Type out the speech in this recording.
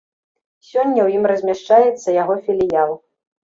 Сёння ў ім размяшчаецца яго філіял.